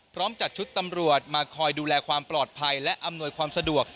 จัดชุดตำรวจมาคอยดูแลความปลอดภัยและอำนวยความสะดวก